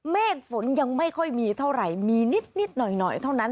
เมฆฝนยังไม่ค่อยมีเท่าไหร่มีนิดหน่อยเท่านั้น